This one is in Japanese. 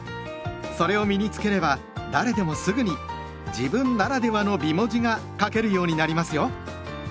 それを身に付ければ誰でもすぐに「自分ならではの美文字」が書けるようになりますよ。